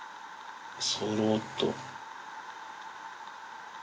そろーっと。